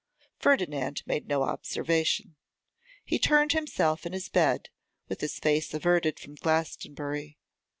Ferdinand made no observation. He turned himself in his bed, with his face averted from Glastonbury.